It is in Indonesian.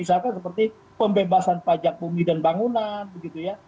jadi pembebasan pajak bumi dan bangunan begitu ya